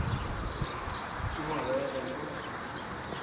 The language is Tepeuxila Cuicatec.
Uu a bea deaku.